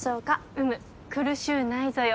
うむ苦しゅうないぞよ。